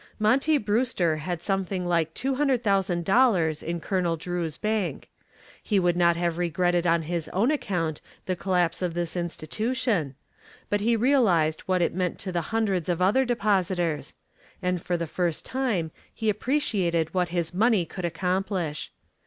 Monty Brewster had something like $200,000 in Colonel Drew's bank. He would not have regretted on his own account the collapse of this institution, but he realized what it meant to the hundreds of other depositors, and for the first time he appreciated what his money could accomplish.